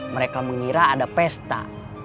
mereka mengira ada pesta